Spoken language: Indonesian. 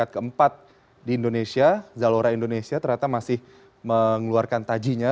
tapi peringkat ke empat di indonesia zalora indonesia ternyata masih mengeluarkan tajinya